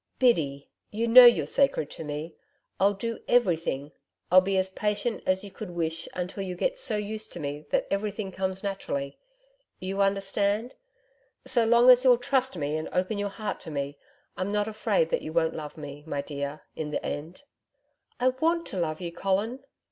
Biddy you know you're sacred to me I'll do everything I'll be as patient as you could wish until you get so used to me that everything comes naturally. You understand? So long as you'll trust me and open your heart to me, I'm not afraid that you won't love me, my dear, in the end.' 'I WANT to love you, Colin.'